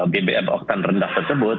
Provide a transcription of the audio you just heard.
bbm oktan rendah tersebut